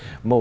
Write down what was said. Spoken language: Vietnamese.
của bầu trời